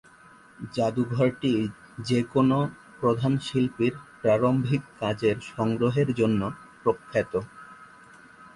জাদুঘরটি যে কোন প্রধান শিল্পীর প্রারম্ভিক কাজের সংগ্রহের জন্য প্রখ্যাত।